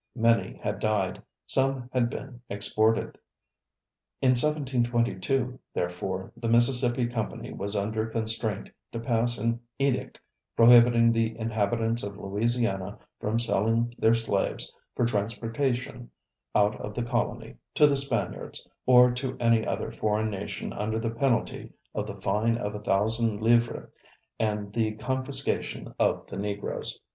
Many had died, some had been exported. In 1722, therefore, the Mississippi Company was under constraint to pass an edict prohibiting the inhabitants of Louisiana from selling their slaves for transportation out of the colony, to the Spaniards, or to any other foreign nation under the penalty of the fine of a thousand livres and the confiscation of the Negroes.